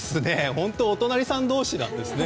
本当にお隣さん同士ですね。